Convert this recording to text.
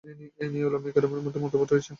এ নিয়ে উলামায়ে কিরামের মধ্যে মতভেদ রয়েছে।